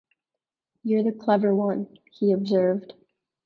"You're the clever one," he observed.